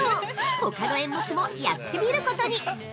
ほかの演目もやってみることに。